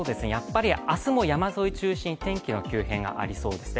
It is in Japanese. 明日も山沿い中心に、天気の急変がありそうですね。